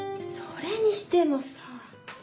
それにしてもさぁ。